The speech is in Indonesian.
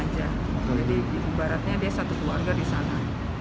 jadi ibaratnya dia satu keluarga di sana